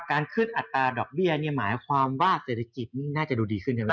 การขึ้นอัตราดอกเบี้ยเนี่ยหมายความว่าเศรษฐกิจนี่น่าจะดูดีขึ้นใช่ไหม